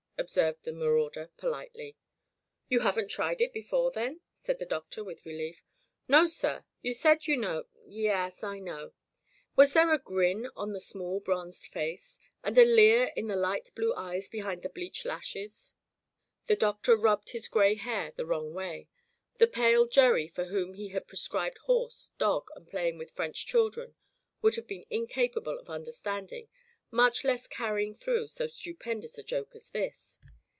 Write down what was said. '* observed the ma rauder, politely. "You haven't tried it before, then ?'* said the Doctor with relief. "No, sir. You said, you know "" Y yes, I know. Was there a grin on the small bronzed face, and a leer in the light blue eyes behind the bleached lashes ? The Doctor rubbed his gray hair the wrong way. The pale Gerry for whom he had prescribed horse, dog, and playing with French children, would have been incap able of understanding, much less carrying through, so stupendous a joke as this.